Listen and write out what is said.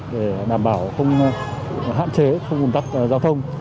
để đảm bảo không hạn chế không bùng tắt giao thông